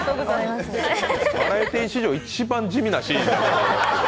バラエティー史上一番地味なシーンですよ。